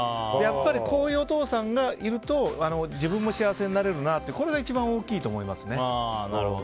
やっぱりこういうお父さんがいると自分も幸せになれるなっていうこれが一番大きいと思いますね。